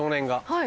はい。